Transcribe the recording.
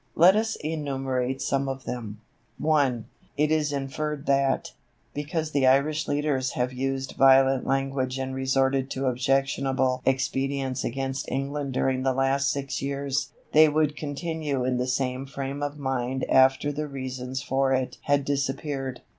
Let us enumerate some of them. 1. It is inferred that, because the Irish leaders have used violent language and resorted to objectionable expedients against England during the last six years, they would continue in the same frame of mind after the reasons for it had disappeared.